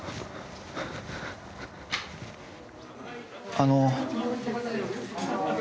あの。